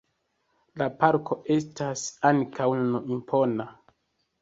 La parko estas ankaŭ nun impona.